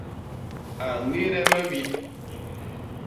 A ñéde me wip.